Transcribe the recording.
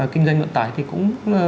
kinh doanh ngậm tải thì cũng